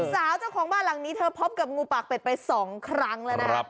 สาวเจ้าของบ้านหลังนี้เธอพบกับงูปากเป็ดไป๒ครั้งแล้วนะครับ